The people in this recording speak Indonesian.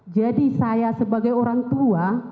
jadi saya sebagai orang tua